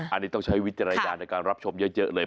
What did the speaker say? อันนี้ต้องใช้วิจารณญาณในการรับชมเยอะเลย